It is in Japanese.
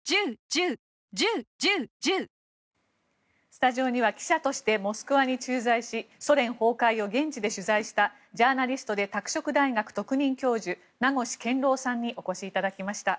スタジオには記者としてモスクワに駐在しソ連崩壊を現地で取材したジャーナリストで拓殖大学特任教授名越健郎さんにお越しいただきました。